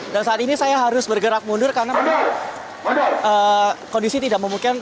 dan saat ini saya harus bergerak mundur karena kondisi tidak memungkinkan